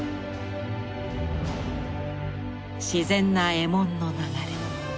自然な衣文の流れ。